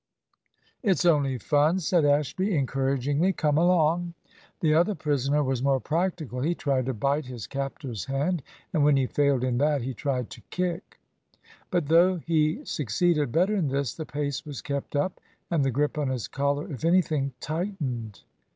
"It's only fun," said Ashby, encouragingly; "come along." The other prisoner was more practical. He tried to bite his captor's hand, and when he failed in that, he tried to kick. But though he succeeded better in this, the pace was kept up and the grip on his collar, if anything, tightened.